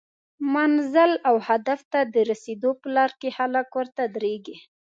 منزل او هدف ته د رسیدو په لار کې خلک ورته دریږي